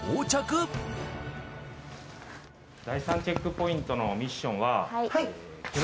第３チェックポイントのミッションは。